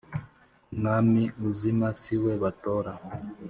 Umwami uzima siwe batora